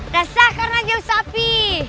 dasar karena jauh sapi